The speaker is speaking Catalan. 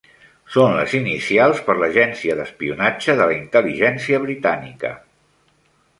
Són les inicials per l'agència d'espionatge de la Intel·ligència Britànica